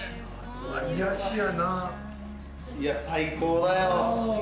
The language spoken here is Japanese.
いや最高だよ。